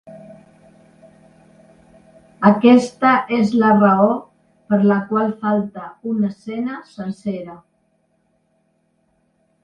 Aquesta és la raó per la qual falta una escena sencera.